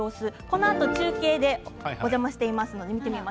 このあと中継でお邪魔します。